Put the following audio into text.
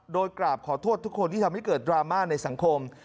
โดยกราบขอโทษทุกคนที่ทำให้เกิดดราม่าในสังคม